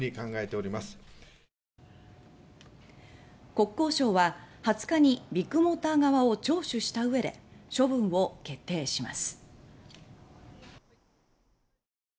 国交省は２０日にビッグモーター側を聴取したうえで処分を決定します。